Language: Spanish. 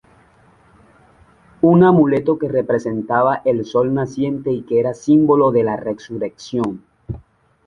Un amuleto que representaba el Sol naciente y que era símbolo de la resurrección.